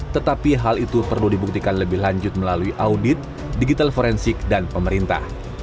tetapi hal itu perlu dibuktikan lebih lanjut melalui audit digital forensik dan pemerintah